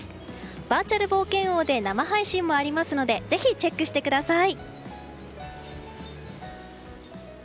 バーチャル冒険王で生配信もありますのでぜひチェックしてください。